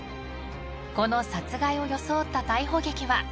［この殺害を装った逮捕劇は］